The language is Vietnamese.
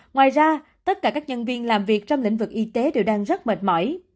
ngoài ra tất cả các nhân viên làm việc trong lĩnh vực y tế đều đang rất mệt mỏi